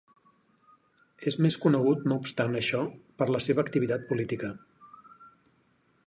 És més conegut no obstant això per la seva activitat política.